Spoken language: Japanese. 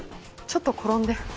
ちょっと転んで。